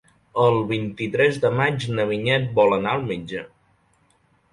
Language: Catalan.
El vint-i-tres de maig na Vinyet vol anar al metge.